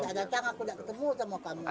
kalau kamu tak datang aku tidak ketemu sama kamu